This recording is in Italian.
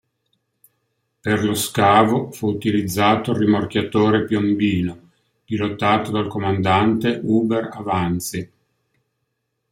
Per lo scavo fu utilizzato il rimorchiatore "Piombino", pilotato dal comandante Uber Avanzi.